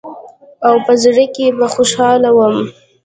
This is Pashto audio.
او په زړه کښې به خوشاله وم.